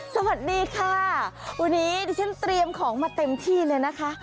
สวัสดีค่ะวันนี้ดิฉันเตรียมของมาเต็มที่เลยนะคะ